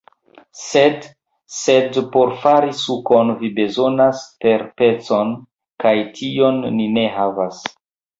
Sed... sed por fari sukon vi bezonas terpecon kaj tion ni ne havas